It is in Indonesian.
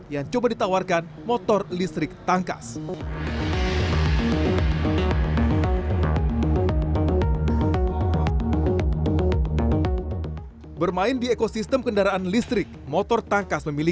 dan memang motor listrik ini bisa dibilang adalah anti curanmor